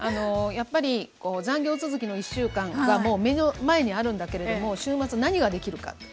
やっぱり残業続きの１週間がもう目の前にあるんだけれども週末何ができるか。